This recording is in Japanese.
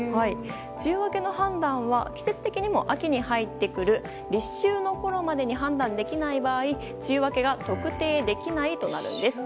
梅雨明けの判断は季節的にも秋に入ってくる立秋のころまでに判断できない場合、梅雨明けが特定できないとなるんです。